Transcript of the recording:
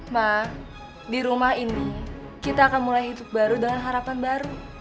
ma di rumah ini kita akan mulai hidup baru dengan harapan baru